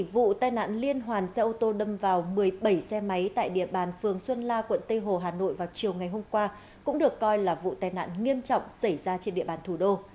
vụ tai nạn liên hoàn xe ô tô đâm vào một mươi bảy xe máy tại địa bàn phường xuân la quận tây hồ hà nội vào chiều ngày hôm qua cũng được coi là vụ tai nạn nghiêm trọng xảy ra trên địa bàn thủ đô